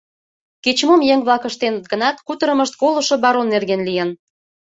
Кеч-мом еҥ-влак ыштеныт гынат, кутырымышт колышо барон нерген лийын.